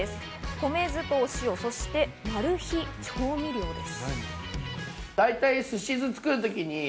米酢とお塩、そしてマル秘調味料です。